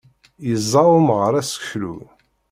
Yeẓẓa umɣar aseklu.